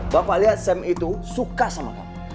bapak lihat sam itu suka sama kamu